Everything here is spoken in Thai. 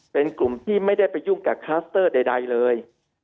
เป็นกลุ่มที่ไม่ได้ไปยุ่งกับคลัสเตอร์ใดเลย